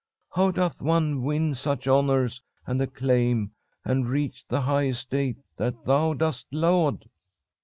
How doth one win such honours and acclaim and reach the high estate that thou dost laud?'